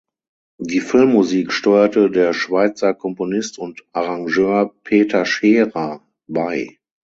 Die Filmmusik steuerte der Schweizer Komponist und Arrangeur Peter Scherer bei.